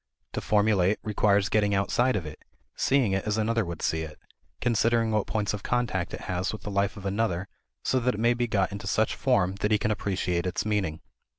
To formulate requires getting outside of it, seeing it as another would see it, considering what points of contact it has with the life of another so that it may be got into such form that he can appreciate its meaning.